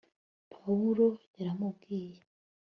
pawulo yarambwiye